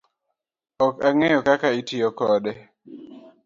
Ok ang'eyo kaka itiyo kode